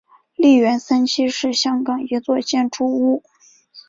利园三期是香港一座建筑物。